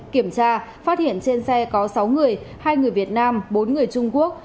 kiểm tra phát hiện trên xe có sáu người hai người việt nam bốn người trung quốc